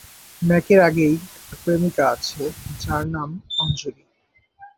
ম্যাকের আগেই একটা প্রেমিকা আছে যার নাম অঞ্জলি।